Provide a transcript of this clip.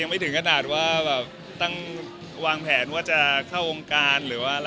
ยังไม่ถึงขนาดว่าตั้งวางแผนว่าจะเข้าองค์การ